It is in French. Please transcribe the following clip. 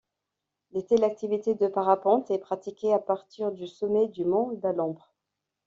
L'été, l'activité de parapente est pratiquée à partir du sommet du mont d'Alambre.